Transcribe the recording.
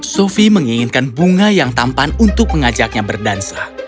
sufi menginginkan bunga yang tampan untuk mengajaknya berdansa